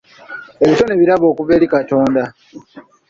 Ebitone birabo okuva eri Katonda.